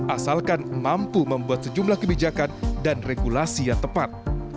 asalkan mampu membuat sejumlah kebijakan dan regulasi yang tepat